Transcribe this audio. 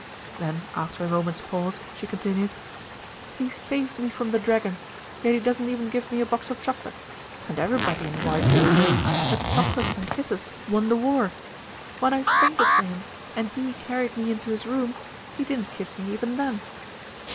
Then after a moment's pause she continued: "He saved me from the dragon; yet he doesn't even give me a box of chocolates, and everybody in Whitehall knows that chocolates and kisses won the war. When I fainted for him and he carried me into his room, he didn't kiss me even then."